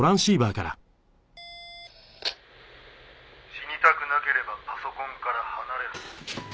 「死にたくなければパソコンから離れろ」